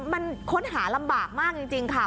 มันค้นหาลำบากมากจริงค่ะ